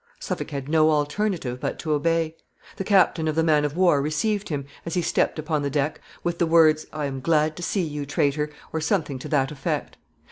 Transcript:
Suffolk had no alternative but to obey. The captain of the man of war received him, as he stepped upon the deck, with the words, I am glad to see you, traitor, or something to that effect.